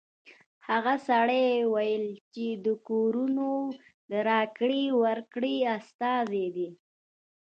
هغه سړي ویل چې د کورونو د راکړې ورکړې استازی دی